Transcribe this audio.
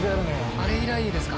あれ以来ですか。